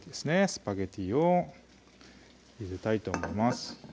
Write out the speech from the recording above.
スパゲッティをゆでたいと思います